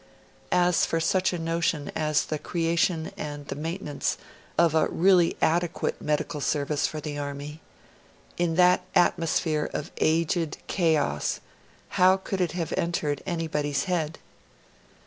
As for such a notion as the creation and the maintenance of a really adequate medical service for the army in that atmosphere of aged chaos, how could it have entered anybody's head?